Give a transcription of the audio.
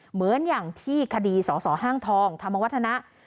เหมือนอย่างที่คดีสสห้างทองธรรมวัฒนะ